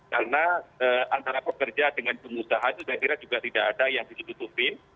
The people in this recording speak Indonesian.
karena antara pekerja dengan pengusaha itu saya kira juga tidak ada yang ditutupin